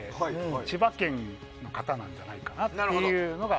千葉県の方なんじゃないかなっていうのが。